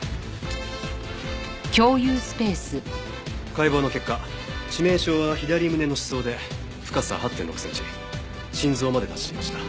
解剖の結果致命傷は左胸の刺創で深さ８．６センチ心臓まで達していました。